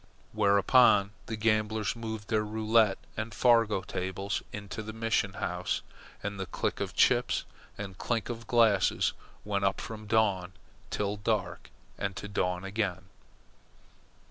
Whereupon the gamblers moved their roulette and faro tables into the mission house, and the click of chips and clink of glasses went up from dawn till dark and to dawn again.